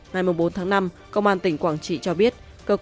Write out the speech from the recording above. ngày bốn tháng năm công an tỉnh quảng trị cho biết